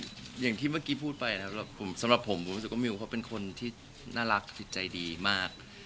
อย่างที่เมื่อกี้พูดไปนะครับสำหรับผมผมรู้สึกว่ามิวเขาเป็นคนที่น่ารักจิตใจดีมาก